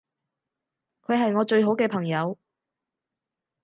佢係我最好嘅朋友